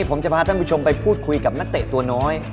ผมจะพาท่านผู้ชมไปพูดคุยกับนักเตะตัวน้อย